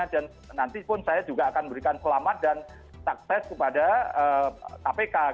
dan nanti pun saya juga akan memberikan selamat dan sukses kepada kpk